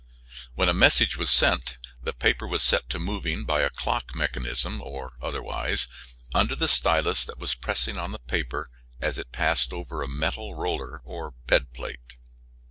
When a message was sent the paper was set to moving by a clock mechanism or otherwise, under the stylus that was pressing on the paper as it passed over a metal roller or bed plate.